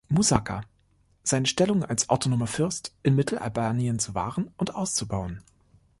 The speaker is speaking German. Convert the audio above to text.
Muzaka, seine Stellung als autonomer Fürst in Mittelalbanien zu wahren und auszubauen.